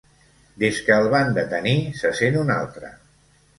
Des que el van detenir se sent un altre.